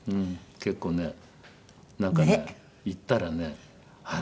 結構ねなんかね行ったらねあら！